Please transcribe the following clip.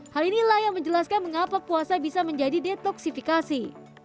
hal inilah yang menjelaskan mengapa puasa bisa menjadi detoksifikasi